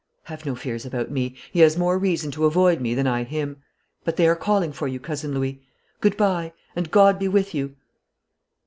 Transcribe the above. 'Have no fears about me. He has more reason to avoid me than I him. But they are calling for you, Cousin Louis. Good bye, and God be with you!'